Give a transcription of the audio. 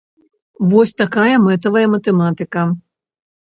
Вось такая мэтавая матэматыка.